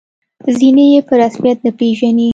ځینې یې په رسمیت نه پېژني.